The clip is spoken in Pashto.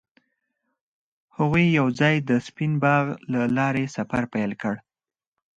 هغوی یوځای د سپین باغ له لارې سفر پیل کړ.